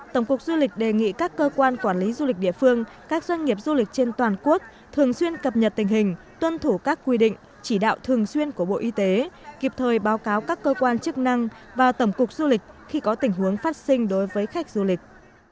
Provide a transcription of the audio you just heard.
tổng cục du lịch đề nghị các cơ quan quản lý du lịch địa phương các doanh nghiệp du lịch trên toàn quốc thường xuyên cập nhật tình hình tuân thủ các quy định chỉ đạo thường xuyên của bộ y tế kịp thời báo cáo các cơ quan chức năng và tổng cục du lịch khi có tình huống phát sinh đối với khách du lịch